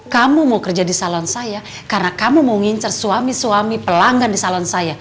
kamu mau kerja di salon saya karena kamu mau nginser suami suami pelanggan di salon saya